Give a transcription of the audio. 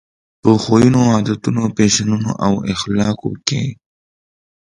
په خویونو، عادتونو، فیشنونو او اخلاقو کې.